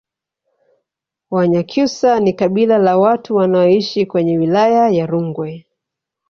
Wanyakyusa ni kabila la watu wanaoishi kwenye wilaya ya Rungwe